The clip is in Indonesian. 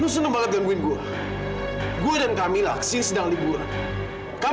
sampai jumpa di video selanjutnya